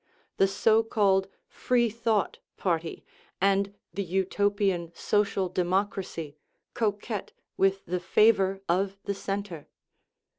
The so called " Freethought " Party and the utopian social democracy coquette with the favor of the Centre.